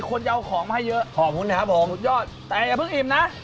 คนจะเอาของมาให้เยอะขอบคุณนะครับผมสุดยอดแต่อย่าเพิ่งอิ่มนะ